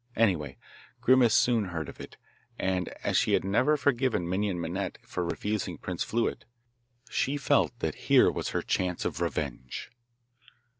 Anyway, Grimace soon heard of it, and as she had never forgiven Minon Minette for refusing Prince Fluet, she felt that here was her chance of revenge.